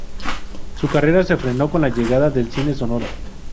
Su carrera se frenó con la llegada del cine sonoro.